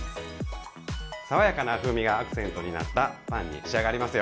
爽やかな風味がアクセントになったパンに仕上がりますよ。